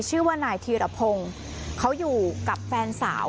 ชื่อว่านายธีรพงศ์เขาอยู่กับแฟนสาว